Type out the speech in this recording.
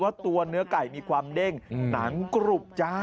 ตัวเนื้อไก่มีความเด้งหนังกรุบจ้า